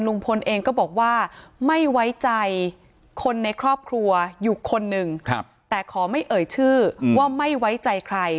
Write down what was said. ลุงพลเองก็บอกว่าไม่ไว้ใจคนในครอบครัวอยู่คนหนึ่งแต่ขอไม่เอ่ยชื่อว่าไม่ไว้ใจใคร